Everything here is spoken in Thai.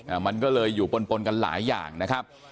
มันก็เลยอยู่ปนปนกันหลายอย่างนะครับ